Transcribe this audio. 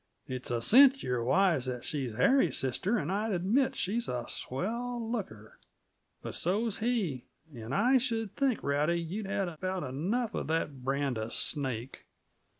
It's a cinch you're wise that she's Harry's sister; and I admit she's a swell looker. But so's he; and I should think, Rowdy, you'd had about enough uh that brand uh snake."